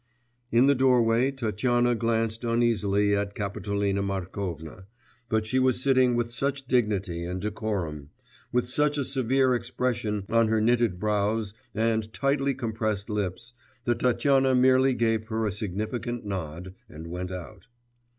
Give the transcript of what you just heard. In the doorway Tatyana glanced uneasily at Kapitolina Markovna; but she was sitting with such dignity and decorum, with such a severe expression on her knitted brows and tightly compressed lips, that Tatyana merely gave her a significant nod and went out.